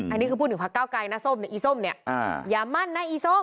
อันนี้คือพูดถึงพักเก้าไกรนะส้มเนี่ยอีส้มเนี่ยอย่ามั่นนะอีส้ม